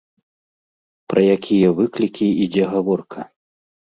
Пра якія выклікі ідзе гаворка?